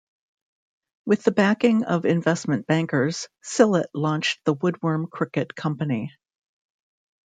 With the backing of investment bankers, Sillett launched The Woodworm Cricket Company.